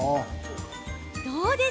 どうです？